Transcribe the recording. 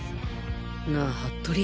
なぁ服部